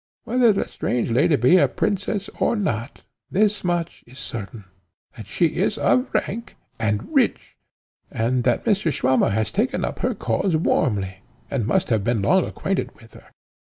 Whether the strange lady be a princess or not, thus much is certain, that she is of rank and rich, and that Mr. Swammer has taken up her cause warmly, and must have been long acquainted with her.